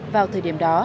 vào thời điểm đó